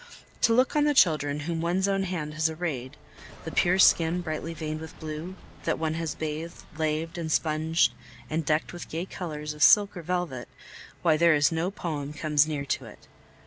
To look on the children whom one's own hand has arrayed, the pure skin brightly veined with blue, that one has bathed, laved, and sponged and decked with gay colors of silk or velvet why, there is no poem comes near to it!